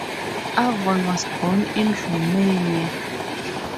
Avon was born in Romania.